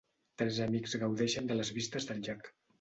Tres amics gaudeixen de les vistes del llac.